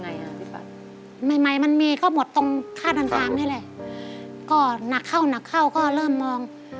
ค่าทางนี่แหละก็หนักเข้าก็เริ่มมอง